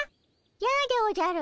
やでおじゃる。